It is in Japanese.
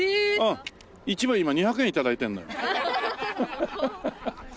１枚今２００円頂いてるの。